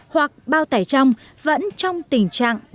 hoặc bao tải trong vẫn trong tình trạng ba